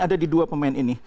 ada di dua pemain ini